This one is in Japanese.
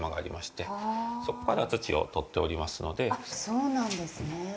そうなんですね。